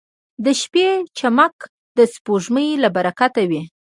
• د شپې چمک د سپوږمۍ له برکته وي.